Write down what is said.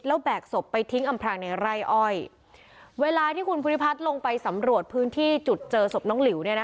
แล้วแบกศพไปทิ้งอำพรางในไร่อ้อยเวลาที่คุณภูริพัฒน์ลงไปสำรวจพื้นที่จุดเจอศพน้องหลิว